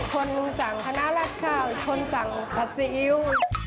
คนสั่งคณะรัฐข้าวคนสั่งผัดซีอิ๊ว